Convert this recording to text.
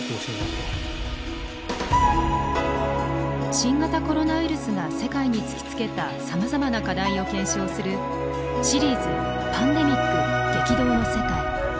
新型コロナウイルスが世界に突きつけたさまざまな課題を検証するシリーズ「パンデミック激動の世界」。